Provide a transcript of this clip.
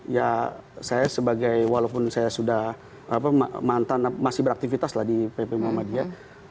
ya saya sebagai walaupun saya sudah mantan masih beraktivitas lah di pp muhammadiyah